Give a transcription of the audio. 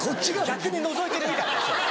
逆にのぞいてるみたい。